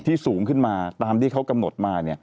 สูงขึ้นมาตามที่เขากำหนดมา